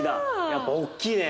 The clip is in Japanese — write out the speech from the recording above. やっぱ大きいね。